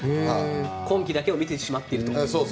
今季だけを見てしまっていると。